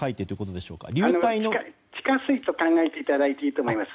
地下水と考えていただいていいと思います。